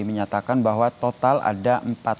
menyatakan bahwa total ada empat puluh satu